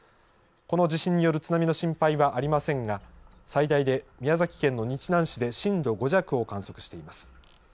この地震による津波の心配はありませんが、最大で宮崎県の日南市で震度５弱を観測しています。